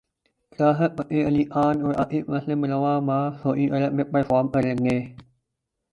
راحت فتح علی خان اور عاطف اسلم رواں ماہ سعودی عرب میں پرفارم کریں گے